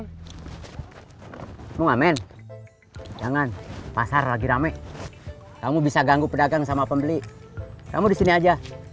kamu ngamen jangan pasar lagi rame kamu bisa ganggu pedagang sama pembeli kamu di sini aja